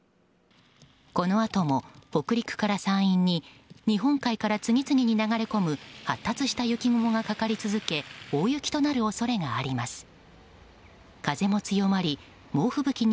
このあとも北陸から山陰に日本海から次々に流れ込む発達した雪雲がかかり続け大雪となる恐れがあります。